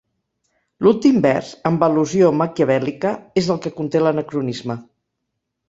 L'últim vers, amb l'al·lusió maquiavèl·lica, és el que conté l'anacronisme.